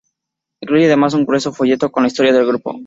Incluye además un grueso folleto con la historia del grupo.